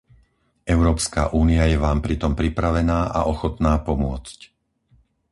Európska únia je vám pri tom pripravená a ochotná pomôcť.